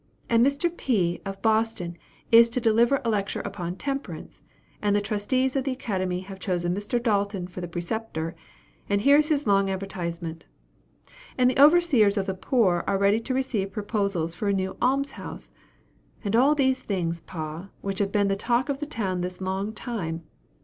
And Mr. P., of Boston, is to deliver a lecture upon temperance; and the trustees of the Academy have chosen Mr. Dalton for the Preceptor, and here is his long advertisement; and the Overseers of the Poor are ready to receive proposals for a new alms house; and all these things, pa, which have been the town talk this long time.